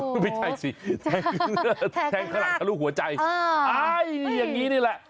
ไม่ใช่สิแทงฝรั่งทะลุหัวใจอย่างนี้นี่แหละ